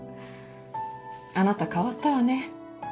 あなた変わったわね。